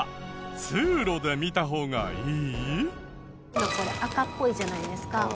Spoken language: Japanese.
今これ赤っぽいじゃないですか。